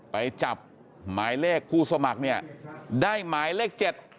ไปจับหมายเลขผู้สมัครเนี่ยได้หมายเลข๗